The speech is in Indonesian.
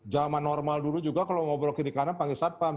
zaman normal dulu juga kalau ngobrol kiri kanan panggil satpam